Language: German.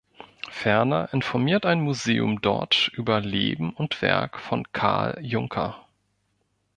Ferner informiert ein Museum dort über Leben und Werk von Karl Junker.